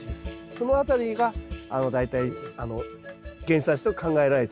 その辺りが大体原産地と考えられている例が多いですね。